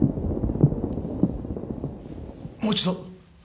もう一度。